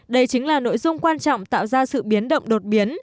đây chính là nội dung quan trọng tạo ra sự biến động đột biến